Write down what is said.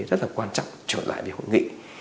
rất là quan trọng trở lại về hội nghị